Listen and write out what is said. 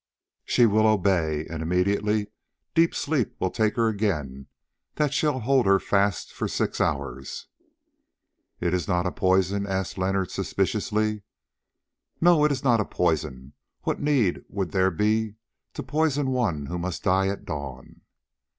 She will obey, and immediately deep sleep will take her again that shall hold her fast for six hours." "It is not a poison?" asked Leonard suspiciously. "No, it is not a poison. What need would there be to poison one who must die at dawn?"